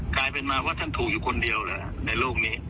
กลายเป็นมาว่าท่านถูกอยู่คนเดียวแหละในโลกนี้